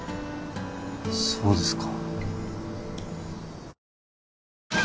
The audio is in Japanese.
そうですか